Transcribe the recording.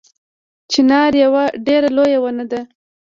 چنار یوه ډیره لویه ونه ده